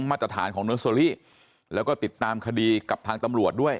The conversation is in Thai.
มาตรฐานของเนอร์เซอรี่แล้วก็ติดตามคดีกับทางตำรวจด้วย